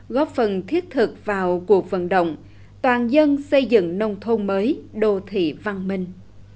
góp phần thiết thực vào cuộc vận động toàn dân xây dựng nông thôn mới đô thị văn minh